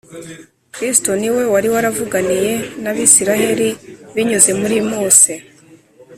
” kristo niwe wari waravuganiye n’abisiraheli binyuze muri mose